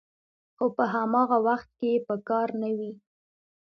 خو په هماغه وخت کې یې په کار نه وي